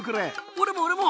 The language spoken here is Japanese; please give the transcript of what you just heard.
俺も俺も！